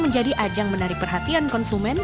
menjadi ajang menarik perhatian konsumen